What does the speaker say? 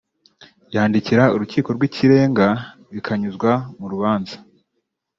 yandikira Urukiko rw’ Ikirenga bikanyuzwa mu rubanza